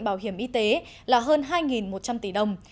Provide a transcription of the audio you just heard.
bảo hiểm y tế là hơn hai một trăm linh tỷ đồng